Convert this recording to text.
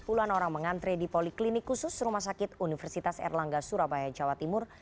puluhan orang mengantre di poliklinik khusus rumah sakit universitas erlangga surabaya jawa timur